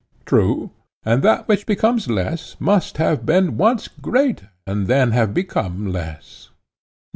True. And that which becomes less must have been once greater and then have become less.